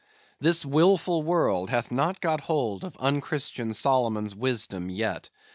This wilful world hath not got hold of unchristian Solomon's wisdom yet.